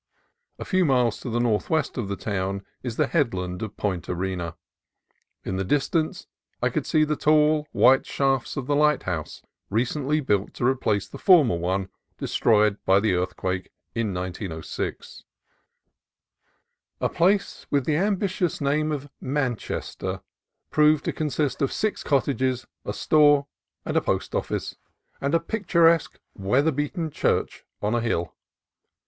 A few miles to the northwest of the town is the headland of Point Arena. In the distance I could see the tall white shaft of the lighthouse, recently built to replace the former one, destroyed by the earthquake of 1906. THE ALDER CREEK DISPUTE 271 A place with the ambitious name of Manchester proved to consist of six cottages, a store and post office, and a picturesque weather beaten church on a hill.